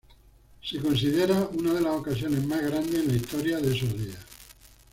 Se considera una de las ocasiones más grandes en la historia de esos días.